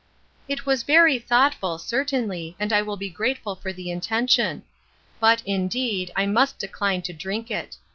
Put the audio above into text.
" It was very thoughtful, certainly, and I will be grateful for the intention ; but indeed, I must decline to drink it.